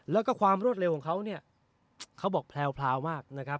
และก็ความรวดเร็วของเขา